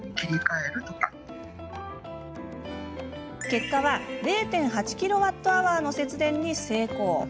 結果は０．８キロワットアワーの節電に成功。